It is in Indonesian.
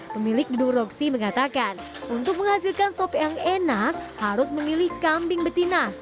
pemilik gedung roksi mengatakan untuk menghasilkan sop yang enak harus memilih kambing betina